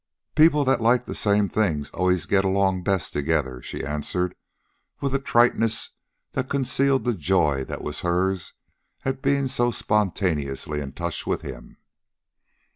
"People that like the same things always get along best together," she answered, with a triteness that concealed the joy that was hers at being so spontaneously in touch with him.